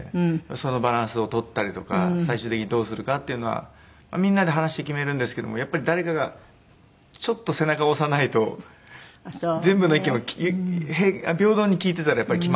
そのバランスを取ったりとか最終的にどうするかっていうのはみんなで話して決めるんですけどもやっぱり誰かがちょっと背中を押さないと全部の意見を平等に聞いてたらやっぱり決まらないので。